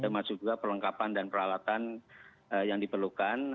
termasuk juga perlengkapan dan peralatan yang diperlukan